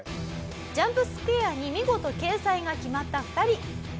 「『ジャンプＳＱ．』に見事掲載が決まった２人」